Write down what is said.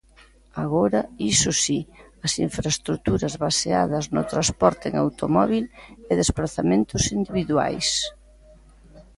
Agora, iso si, as infraestruturas baseadas no transporte en automóbil e desprazamentos individuais.